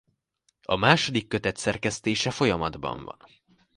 A második kötet szerkesztése folyamatban van.